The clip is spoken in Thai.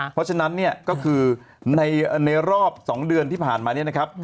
เพราะฉะนั้นเนี่ยก็คือในรอบ๒เดือนที่ผ่านมาเนี่ยนะครับ